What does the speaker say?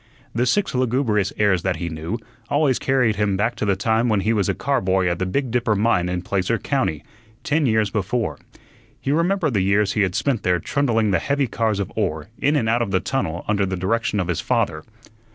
The six lugubrious airs that he knew, always carried him back to the time when he was a car boy at the Big Dipper Mine in Placer County, ten years before. He remembered the years he had spent there trundling the heavy cars of ore in and out of the tunnel under the direction of his father.